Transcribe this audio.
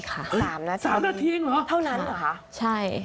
เห้ย๓นาทีเองหรอใช่